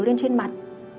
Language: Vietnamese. lên trên mặt